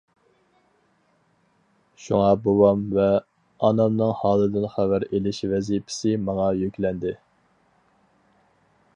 شۇڭا بوۋام ۋە ئانامنىڭ ھالىدىن خەۋەر ئېلىش ۋەزىپىسى ماڭا يۈكلەندى.